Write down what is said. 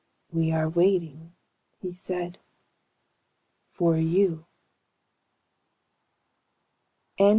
"We are waiting," he said, "for you."